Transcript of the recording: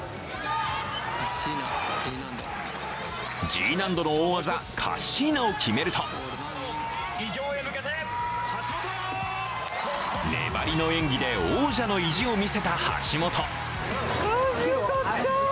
Ｇ難度の大技、カッシーナを決めると粘りの演技で王者の意地を見せた橋本。